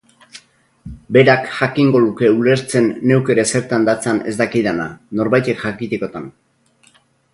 Berak jakingo luke ulertzen neuk ere zertan datzan ez dakidana, norbaitek jakitekotan.